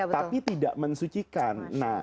tapi tidak mensucikan